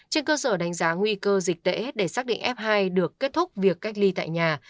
trên cơ sở đánh giá nguy cơ dịch tễ để xác định f hai được kết thúc việc cách ly tại nhà